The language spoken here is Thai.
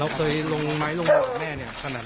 เราเคยลงไม้ลงมากแม่เนี่ยขนาดนี้